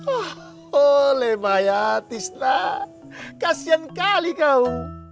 oh oleh bayatis lah kasihan kali kau